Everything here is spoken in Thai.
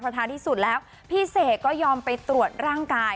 ท้ายที่สุดแล้วพี่เสกก็ยอมไปตรวจร่างกาย